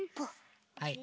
はい。